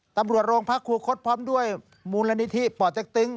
ตำรวจโรงพระครูขสพร้อมด้วยมูลนิธรรพ์ปเจ็กตึ้ง